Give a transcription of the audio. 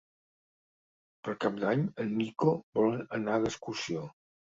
Per Cap d'Any en Nico vol anar d'excursió.